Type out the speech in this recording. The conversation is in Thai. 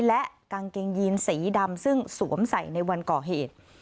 และกางเกงยีนสีดำซึ่งสวมใส่ในวันก่อเหตุ